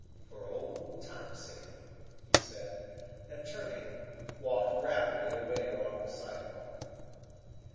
"For old times' sake," he said and, turning, walked rapidly away along the sidewalk.